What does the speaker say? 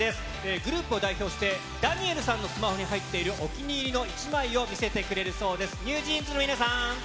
グループを代表して、ダニエルさんのスマホに入っている、お気に入りの一枚を見せてくれるそうです。